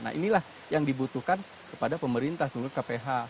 nah inilah yang dibutuhkan kepada pemerintah menurut kph